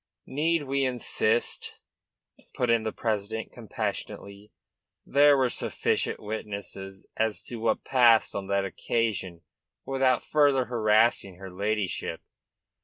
"Need we insist?" put in the president compassionately. "There are sufficient witnesses as to what passed on that occasion without further harassing her ladyship."